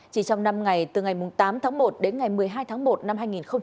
chỉ trong năm ngày từ ngày tám tháng một đến ngày một mươi hai tháng một năm hai nghìn hai mươi